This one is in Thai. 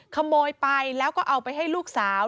ขโมยไปแล้วก็เอาไปให้ลูกสาว